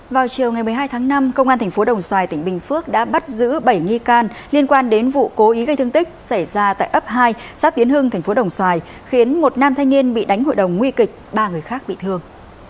vào chiều ngày một mươi hai tháng năm công an thành phố đồng xoài tỉnh bình phước đã bắt giữ bảy nghi can liên quan đến vụ cố ý gây thương tích xảy ra tại ấp hai xã tiến hưng tp đồng xoài khiến một nam thanh niên bị đánh hội đồng nguy kịch ba người khác bị thương